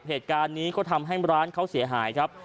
เหตุการณ์นี้ก็ทำให้ร้านเขาเสียหายครับ